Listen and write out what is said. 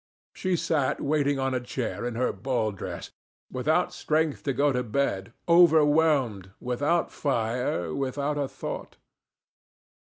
She sat waiting on a chair in her ball dress, without strength to go to bed, overwhelmed, without fire, without a thought.